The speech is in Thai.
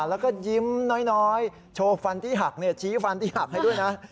แล้วก็ยิ้มน้อยโชว์ฟันที่หักชี้ฟันที่หักให้ด้วยนะ